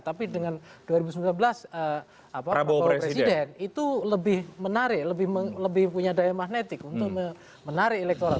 tapi dengan dua ribu sembilan belas pak presiden itu lebih menarik lebih punya daya magnetik untuk menarik elektoral